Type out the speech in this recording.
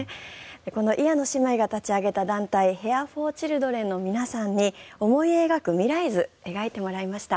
この伊谷野姉妹が立ち上げた団体ヘアー・フォー・チルドレンの皆さんに思い描く未来図を描いてもらいました。